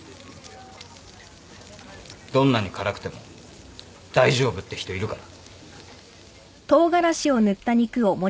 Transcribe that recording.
どんなに辛くても大丈夫って人いるから。